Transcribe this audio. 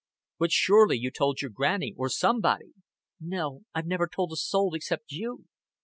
"But surely you told your Granny, or somebody?" "No. I've never told a soul except you."